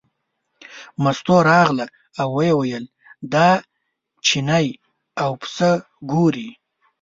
مستو راغله او ویې ویل دا چینی او پسه ګورې.